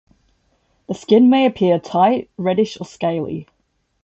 The skin may appear tight, reddish, or scaly.